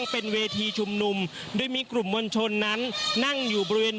ผู้สื่อข่าวชนะทีวีจากฟิวเจอร์พาร์ครังสิตเลยนะคะ